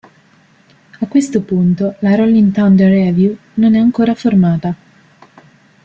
A questo punto la Rolling Thunder Revue non è ancora formata.